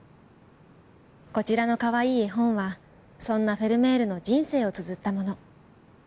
こちらのカワイイ絵本はそんなフェルメールの人生をつづったもの。